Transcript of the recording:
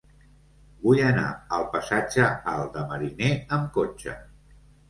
Vull anar al passatge Alt de Mariner amb cotxe.